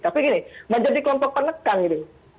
tapi gini menjadi kelompok penekan gitu